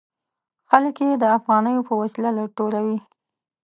خلک یې د افغانیو په وسیله ټولوي.